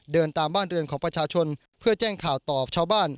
เดินตามบ้านเรือนของประชาชนเพื่อแจ้งข่าวต่อชาวบ้าน